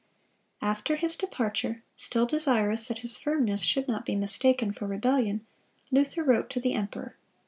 (236) After his departure, still desirous that his firmness should not be mistaken for rebellion, Luther wrote to the emperor.